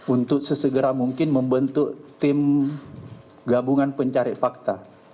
untuk sesegera mungkin membentuk tim gabungan pencari fakta